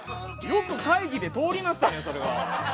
よく会議で通りましたね。